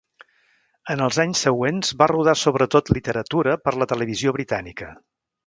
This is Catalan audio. En els anys següents va rodar sobretot literatura per la televisió britànica.